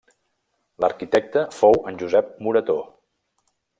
L'arquitecte fou en Josep Moretó.